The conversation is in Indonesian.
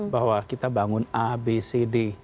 bahwa kita bangun abad